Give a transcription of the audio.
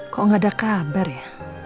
kok gak ada kabar ya